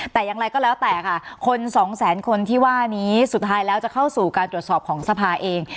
แต่อย่างไรก็แล้วแต่ค่ะคนสองแสนคนที่ว่านี้สุดท้ายแล้วจะเข้าสู่การตรวจสอบของสภาเอง